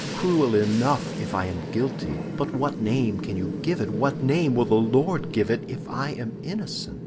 Cruel enough, if I am guilty; but what name can you give it, what name will the Lord give it, if I am innocent?"